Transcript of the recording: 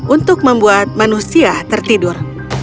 untuk membuat manusia tidur